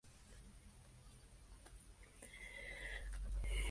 El álbum fue precedido por los sencillos "Forest Green, Oh Forest Green" y "Waves".